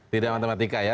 tidak matematika ya